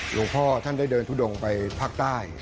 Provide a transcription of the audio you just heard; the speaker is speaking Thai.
หลวงพ่อท่านได้เดินทุดงไปภาคใต้